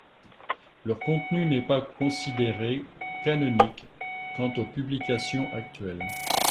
Leur contenu n’est pas considéré canonique quant aux publications actuelles.